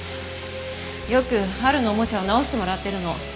よく晴のおもちゃを直してもらってるの。